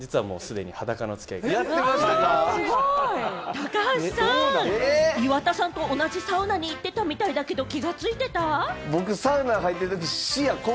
高橋さん、岩田さんと同じサウナに行ってたみたいだけれども、気がついた？